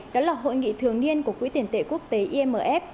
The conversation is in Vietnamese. đó là hội nghị thường niên của quỹ tiền tệ quốc tế imf